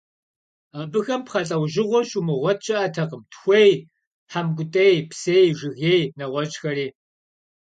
Абыхэм пхъэ лӀэужьыгъуэу щумыгъуэт щыӀэтэкъым: тхуей, хьэмкӀутӀей, псей, жыгей, нэгъуэщӏхэри.